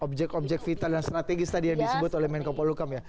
objek objek vital dan strategis tadi yang disebut oleh menko polukam ya